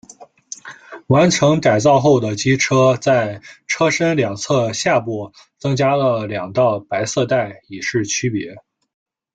完成改造后的机车在车身两侧下部增加了两道白色带以示区别。